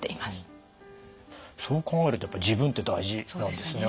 そう考えるとやっぱり自分って大事なんですね。